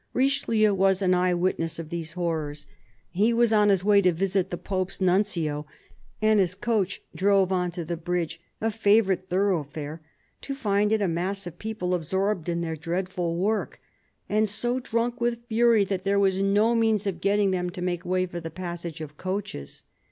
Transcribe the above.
Richelieu was an eye witness of these horrors. He was lOO CARDINAL DE RICHELIEU on his way to visit the Pope's Nuncio, and his coach drove on to the bridge, a favourite thoroughfare, to find it a mass of people absorbed in their dreadful work and " so drunk with fury that there was no means of getting them to make way for the passage of coaches."